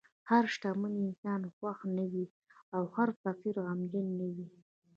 هر شتمن انسان خوښ نه وي، او هر فقیر غمجن نه وي.